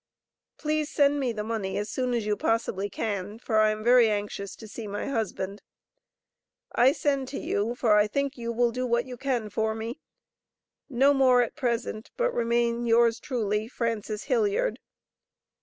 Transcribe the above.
Please send me the money as soon as you possibly can, for I am very anxious to see my husband. I send to you for I think you will do what you can for me. No more at present, but remain Yours truly, FRANCES HILLIARD.